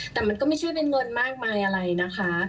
แต่มันก็ไม่ใช่เป็นเงินมากมายอะไรนะคะ